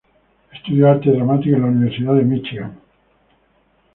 Estudió arte dramático en la Universidad de Míchigan.